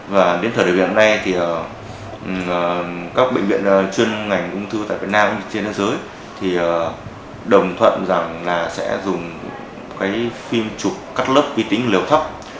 và đến thời điểm hiện nay thì các bệnh viện chuyên ngành ung thư tại việt nam trên thế giới thì đồng thuận rằng là sẽ dùng cái phim chụp các lớp vi tính liều thấp